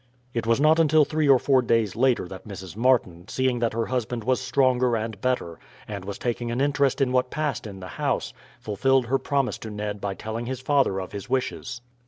It was not until three or four days later that Mrs. Martin, seeing that her husband was stronger and better, and was taking an interest in what passed in the house, fulfilled her promise to Ned by telling his father of his wishes.